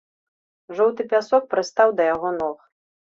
Жоўты пясок прыстаў да яго ног.